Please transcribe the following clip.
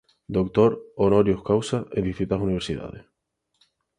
Es doctor "honoris causa" en distintas universidades.